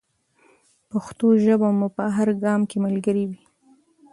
پښتو ژبه مو په هر ګام کې ملګرې وي.